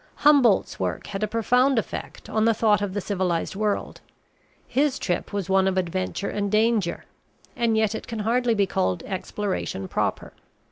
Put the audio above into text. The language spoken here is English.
Humboldt's work had a profound effect on the thought of the civilized world; his trip was one of adventure and danger; and yet it can hardly be called exploration proper.